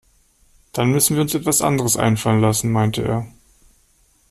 Dann müssen wir uns etwas anderes einfallen lassen, meinte er.